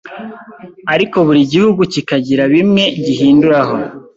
ariko buri gihugu kikagira bimwe gihinduraho